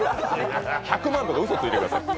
１００万とかうそついてください。